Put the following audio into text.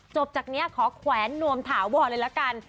จบจากนี้ขอแขวนนวมถาวรเลยละกัน